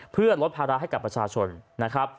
เพื่อลดภาระให้กับประชาชนนะครับ